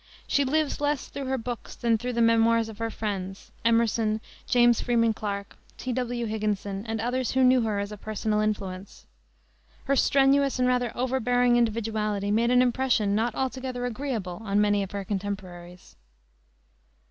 She lives less through her books than through the memoirs of her friends, Emerson, James Freeman Clarke, T. W. Higginson, and others who knew her as a personal influence. Her strenuous and rather overbearing individuality made an impression not altogether agreeable upon many of her contemporaries.